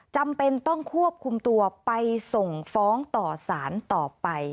จำเป็นต้องควบคุมตัวไปส่งฟ้องต่อสารต่อไป